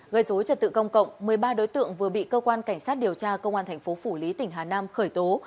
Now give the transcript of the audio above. gây dối trật tự công cộng một mươi ba đối tượng vừa bị cơ quan cảnh sát điều tra công an thành phố phủ lý tỉnh hà nam khởi tố